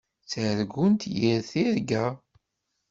Ttargunt yir tirga.